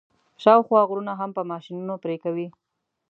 شاوخوا غرونه هم په ماشینونو پرې کوي.